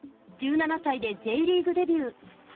１７歳でＪリーグデビュー。